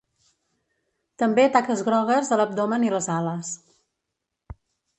També taques grogues a l'abdomen i les ales.